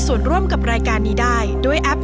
ส่วนดีได้เรียง